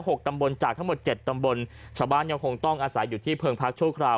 หกตำบลจากทั้งหมดเจ็ดตำบลชาวบ้านยังคงต้องอาศัยอยู่ที่เพิงพักชั่วคราว